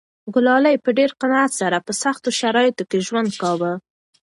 ګلالۍ په ډېر قناعت سره په سختو شرایطو کې ژوند کاوه.